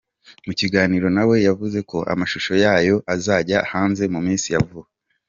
Mu kiganiro na we yavuze ko amashusho yayo azajya hanze mu minsi ya vuba.